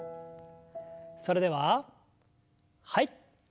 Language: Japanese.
それでははい。